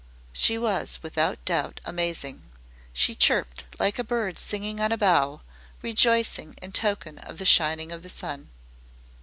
She was without doubt amazing. She chirped like a bird singing on a bough, rejoicing in token of the shining of the sun.